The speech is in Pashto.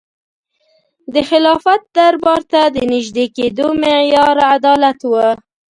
د خلافت دربار ته د نژدې کېدو معیار عدالت و.